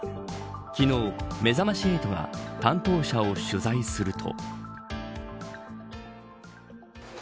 昨日めざまし８は担当者を取材すると。